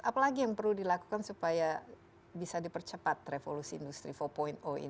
apalagi yang perlu dilakukan supaya bisa dipercepat revolusi industri empat